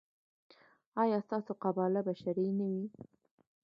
ایا ستاسو قباله به شرعي نه وي؟